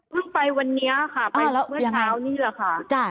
ไปวันนี้ค่ะไปเมื่อเช้านี่แหละค่ะ